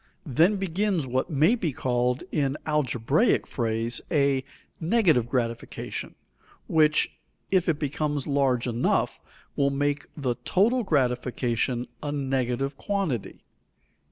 Then begins what may be called in algebraic phrase a "negative gratification" which, if it becomes large enough, will make the total gratification a negative quantity.